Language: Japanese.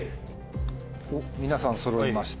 皆さんそろいました？